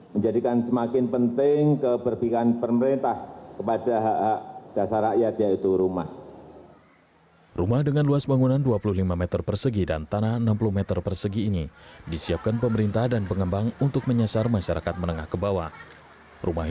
menjadikan semakin penting keberdikan pemerintah kepada hak hak dasar rakyat yaitu rumah